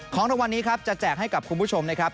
ของรางวัลนี้ครับจะแจกให้กับคุณผู้ชมนะครับ